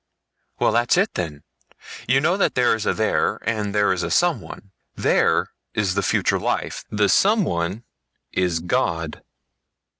"Well, that's it then! You know that there is a there and there is a Someone? There is the future life. The Someone is—God."